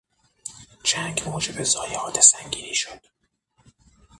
جنگ موجب ضایعات سنگینی شد.